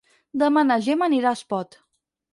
Demà na Gemma anirà a Espot.